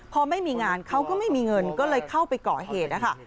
พอไม่มีงานเขาก็ไม่มีเงินก็เลยเข้าไปก่อเหตุนะคะ